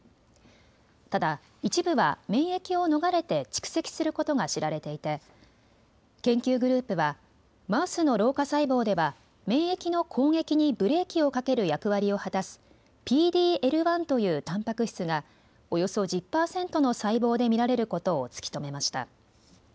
ただ、一部は免疫を逃れて蓄積することが知られていて研究グループはマウスの老化細胞では免疫の攻撃にブレーキをかける役割を果たすＰＤ−Ｌ１というたんぱく質がおよそ１０％の細胞で見られることを突き止めました。